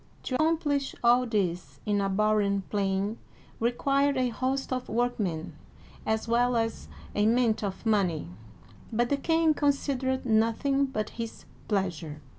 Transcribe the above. To accomplish all this in a barren plain, required a host of workmen as well as a mint of money, but the king considered nothing but his pleasure.